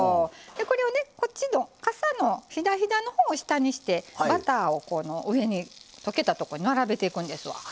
でこれをねこっちのかさのひだひだのほうを下にしてバターをこの上に溶けたとこに並べていくんですわ。